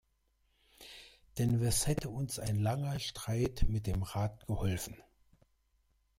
Denn was hätte uns ein langer Streit mit dem Rat geholfen?